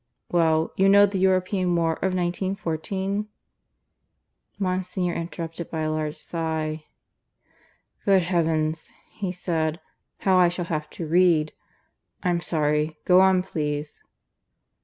"Well, you know the European War of 1914 ...?" Monsignor interrupted by a large sigh. "Good heavens!" he said. "How I shall have to read. I'm sorry. Go on, please."